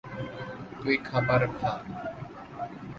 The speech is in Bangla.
তুই খাবার খা।